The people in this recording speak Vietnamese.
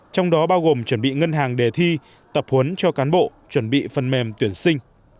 trong đó bao gồm chuẩn bị ngân hàng đề thi tập huấn cho cán bộ chuẩn bị phần mềm tuyển sinh